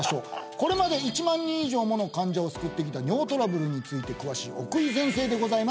これまで１万人以上もの患者を救ってきた尿トラブルについて詳しい奥井先生でございます